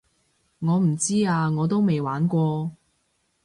我唔知啊我都未玩過